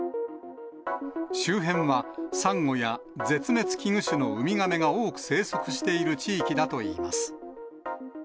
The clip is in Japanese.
周辺はサンゴや、絶滅危惧種のウミガメが多く生息している地域だといいます。